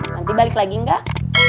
nanti balik lagi enggak